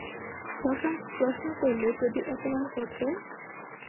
শশাঙ্ক প্রশ্ন করলে, যদি অপমান করত?